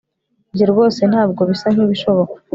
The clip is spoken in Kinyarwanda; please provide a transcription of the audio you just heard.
ibyo rwose ntabwo bisa nkibishoboka